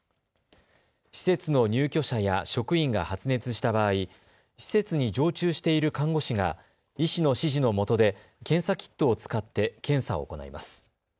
施設の入居者や職員が発熱した場合、施設に常駐している看護師が医師の指示のもとで検査キットを使って検査を行います。